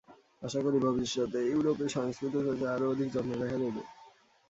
আশা করি, ভবিষ্যতে ইউরোপে সংস্কৃতচর্চায় আরও অধিক যত্ন দেখা যাইবে।